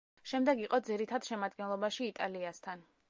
შემდეგ იყო ძირითად შემადგენლობაში იტალიასთან.